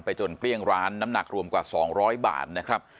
จนเกลี้ยงร้านน้ำหนักรวมกว่า๒๐๐บาทนะครับ